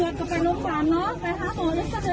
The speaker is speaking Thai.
หว่นกลับไปลงกลางเนาะไปหาหมอเอ็กซาเด๊กก่อนเนาะ